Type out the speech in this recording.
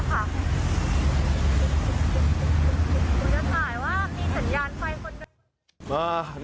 กูจะถ่ายว่ามีสัญญาณไฟคนเดิน